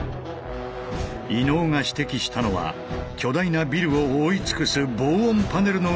伊野尾が指摘したのは巨大なビルを覆い尽くす防音パネルの内側にある足場のこと。